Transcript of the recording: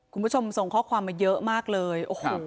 คุณผู้ชมส่งข้อความมาเยอะมากเลยโอ้โห